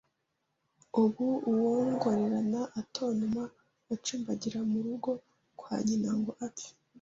Ubu uwongorerana atontoma acumbagira murugo kwa nyina ngo apfe